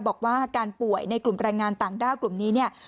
บอกว่าการป่วยในกลุ่มแรงงานต่างด้าวกลุ่มนี้เนี่ย